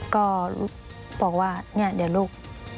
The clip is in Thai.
ก็บอกว่าเนี่ยเดี๋ยวลูก